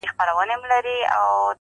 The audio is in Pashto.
• د آسمان غېږه وه ډکه له بازانو -